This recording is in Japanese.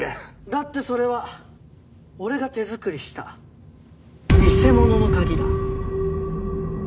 だってそれは俺が手作りした偽物の鍵だ！